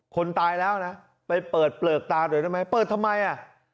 คนตายแล้วนะไปเปิดเปลือกตาหน่อยได้ไหมเปิดทำไมอ่ะ